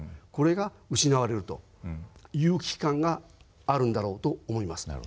これが失われるという危機感があるんだろうと思います。